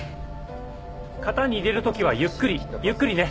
型に入れる時はゆっくりゆっくりね。